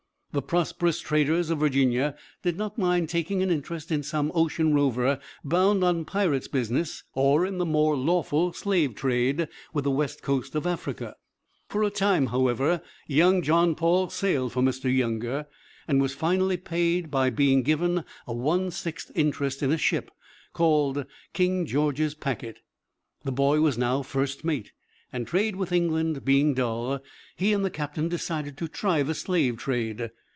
The prosperous traders of Virginia did not mind taking an interest in some ocean rover bound on pirate's business, or in the more lawful slave trade with the west coast of Africa. For a time, however, young John Paul sailed for Mr. Younger, and was finally paid by being given a one sixth interest in a ship called King George's Packet. The boy was now first mate, and trade with England being dull, he and the captain decided to try the slave trade.